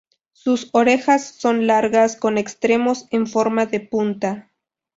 Sus orejas son largas con extremos en forma de punta.